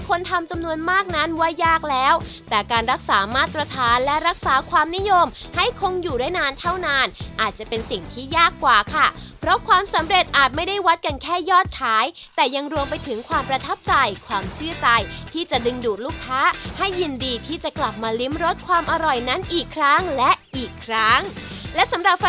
คนทำจำนวนมากนั้นว่ายากแล้วแต่การรักษามาตรฐานและรักษาความนิยมให้คงอยู่ได้นานเท่านานอาจจะเป็นสิ่งที่ยากกว่าค่ะเพราะความสำเร็จอาจไม่ได้วัดกันแค่ยอดขายแต่ยังรวมไปถึงความประทับใจความเชื่อใจที่จะดึงดูดลูกค้าให้ยินดีที่จะกลับมาลิ้มรสความอร่อยนั้นอีกครั้งและอีกครั้งและสำหรับฝ